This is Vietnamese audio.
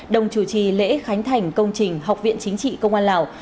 đồng chủ trì lễ khánh thành công trình học viện chính trị công an lào